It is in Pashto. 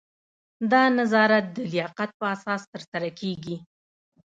دا نظارت د لیاقت په اساس ترسره کیږي.